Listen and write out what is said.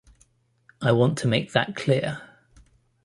I want to make that clear.